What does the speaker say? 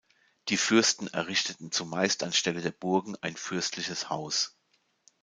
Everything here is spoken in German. Die Fürsten errichteten zumeist anstelle der Burgen ein „fürstliches Haus“.